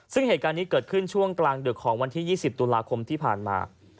ซึ่งเหตุการณ์นี้เกิดขึ้นช่วงกลางดึกของวันที่๒๐ตุลาคมที่ผ่านมา